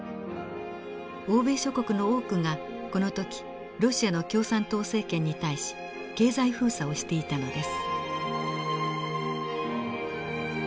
欧米諸国の多くがこの時ロシアの共産党政権に対し経済封鎖をしていたのです。